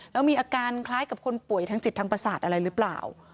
แล้วมีอาการคล้ายกับคนป่วยทางจิตทางประสาทอะไรหรือเปล่า